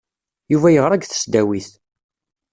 Yuba yeɣra deg tesdawit.